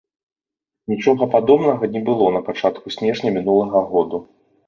Нічога падобнага не было напачатку снежня мінулага году.